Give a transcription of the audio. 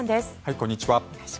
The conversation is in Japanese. こんにちは。